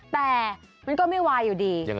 แต่มันก็ไม่วายอยู่ดี